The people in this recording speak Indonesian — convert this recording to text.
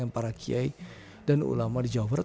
pak rakyai dan ulama di jawa barat